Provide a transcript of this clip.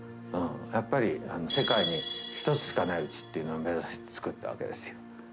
やっぱり世界に一つしかないうちっていうのを目指して造ったわけですよ。